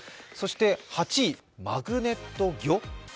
そして８位、マグネット魚？